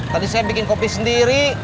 tadi saya bikin kopi sendiri